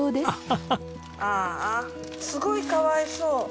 すごいかわいそう。